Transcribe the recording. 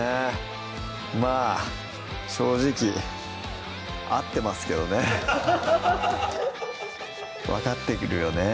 まぁ正直合ってますけどね分かってくるよね